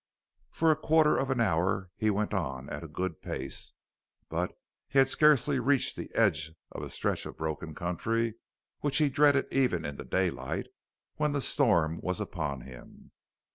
For a quarter of an hour he went on at a good pace. But he had scarcely reached the edge of a stretch of broken country which he dreaded even in the daylight when the storm was upon him.